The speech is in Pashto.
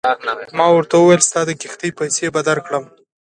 ما ورته وویل ستا د کښتۍ پیسې به درکړم.